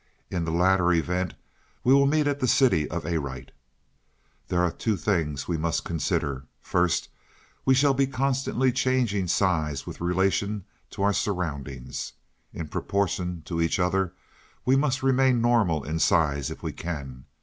In the latter event we will meet at the city of Arite. "There are two things we must consider. First, we shall be constantly changing size with relation to our surroundings. In proportion to each other, we must remain normal in size if we can.